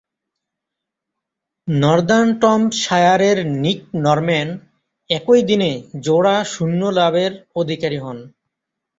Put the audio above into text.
নর্দাম্পটনশায়ারের Mick Norman একই দিনে জোড়া শূন্য লাভের অধিকারী হন।